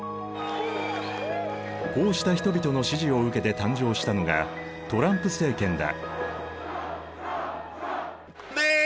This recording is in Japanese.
こうした人々の支持を受けて誕生したのがトランプ政権だ。